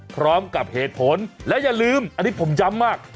พร้อมกับเหตุผลและอย่าลืมอันนี้ผมย้ำมาก